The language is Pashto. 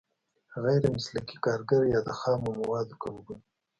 غیر مسلکي کارګر یا د خامو موادو کمبود.